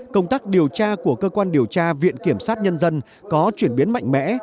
công tác điều tra của cơ quan điều tra viện kiểm sát nhân dân có chuyển biến mạnh mẽ